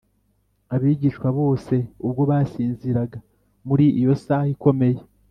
abigishwa bose ubwo basinziraga muri iyo saha ikomeye,